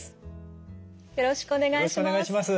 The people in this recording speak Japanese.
よろしくお願いします。